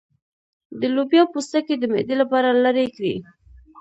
د لوبیا پوستکی د معدې لپاره لرې کړئ